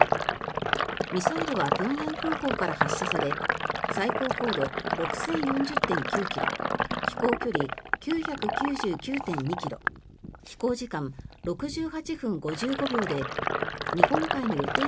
ミサイルは平壌空港から発射され最高高度６０４０．９ｋｍ飛行距離９９９．２ｋｍ飛行時間６８分５５秒で日本海の予定